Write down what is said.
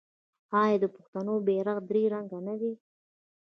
آیا د پښتنو بیرغ درې رنګه نه دی؟